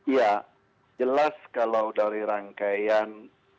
ya jelas kalau dari rangkaian